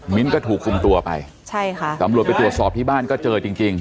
มิ้นก็ถูกคุงตัวไปกรรภาพบริการไปตรวจสอบที่บ้านก็เจอจริง